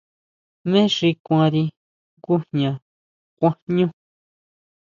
¿Jmé xi kuanri ngujña kuan jñú?